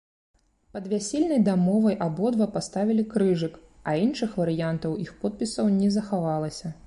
Пад вясельнай дамовай абодва паставілі крыжык, а іншых варыянтаў іх подпісаў не захавалася.